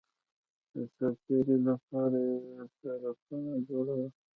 د ساتېرۍ لپاره یې سرکسونه جوړول